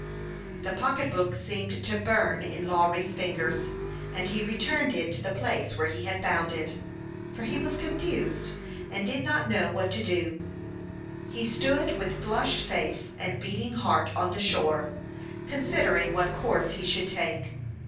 The pocketbook seemed to burn in Lawry's fingers, and he returned it to the place where he had found it ; for he was confused, and did not know what to 58 HASTE AND WASTE, OK do. He stood, with flushed face and beating heart, on the shore, considering what course he should take.